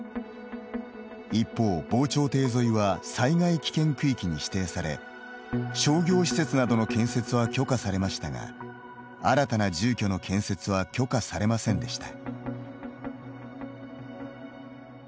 一方、防潮堤沿いは災害危険区域に指定され商業施設などの建設は許可されましたが新たな住居の建設は許可されませんでした。